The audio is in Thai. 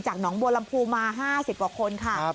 จากน้องบวรรมภูมิมา๕๐กว่าคนค่ะ